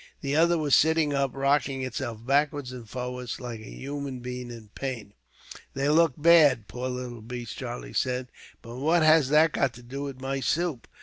The other was sitting up, rocking itself backwards and forwards, like a human being in pain. "They look bad, poor little beasts," Charlie said; "but what has that got to do with my soup?"